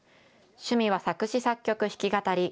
趣味は作詞作曲、弾き語り。